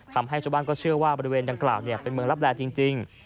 ทำให้ชาวบ้านก็เชื่อว่าบริเวณดังกล่าวเป็นเมืองรับแร่จริง